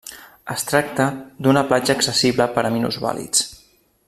Es tracta d'una platja accessible per a minusvàlids.